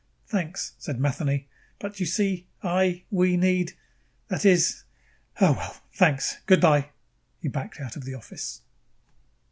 "Thanks," said Matheny, "but, you see, I we need that is.... Oh, well. Thanks. Good by." He backed out of the office.